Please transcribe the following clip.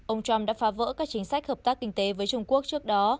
ông trump đã phá vỡ các chính sách hợp tác kinh tế với trung quốc trước đó